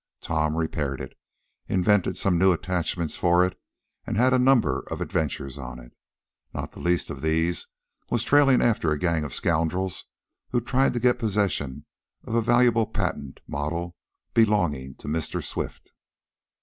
Tom repaired it, invented some new attachments for it, and had a number of adventures on it. Not the least of these was trailing after a gang of scoundrels who tried to get possession of a valuable patent model belonging to Mr. Swift.